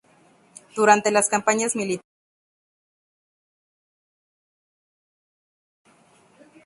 Durante las campañas militares, los guerreros jaguar eran enviados al frente de batalla.